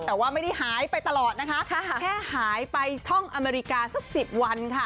แต่ว่าไม่ได้หายไปตลอดนะคะแค่หายไปท่องอเมริกาสัก๑๐วันค่ะ